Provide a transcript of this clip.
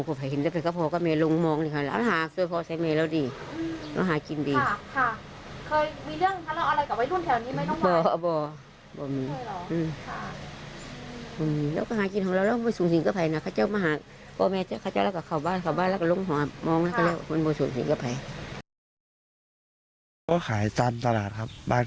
กลลี่นั่นจะเถียงทำไมใครครับ